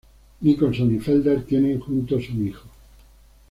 Nicholson y Felder tienen juntos un hijo.